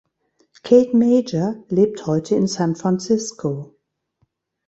Kate Major lebt heute in San Francisco.